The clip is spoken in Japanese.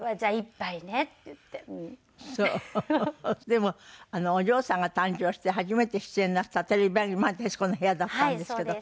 でもお嬢さんが誕生して初めて出演なすったテレビ番組『徹子の部屋』だったんですけど。